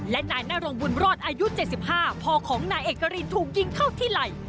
และนายนรงบุญรอดอายุ๗๕พ่อของนายเอกรินถูกยิงเข้าที่ไหล่